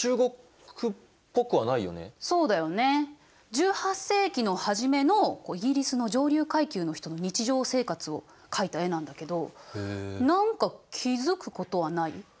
１８世紀の初めのイギリスの上流階級の人の日常生活を描いた絵なんだけど何か気付くことはない？